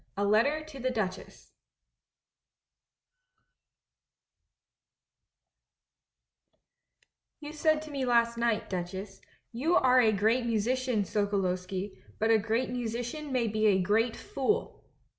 A LETTER TO THE DUCHESS "You said to me last night, Duchess, 'You are a great musician, Socoloski, but a great musician may be a great fool!'